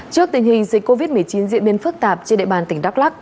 trước tình hình dịch covid một mươi chín diễn biến phức tạp trên địa bàn tỉnh đắk lắc